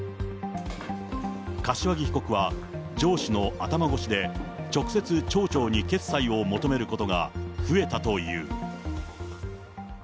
柏木被告は、上司の頭越しで、直接町長に決裁を求めることが増えたという。